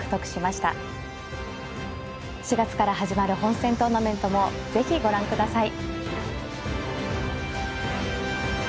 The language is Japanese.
４月から始まる本戦トーナメントも是非ご覧ください。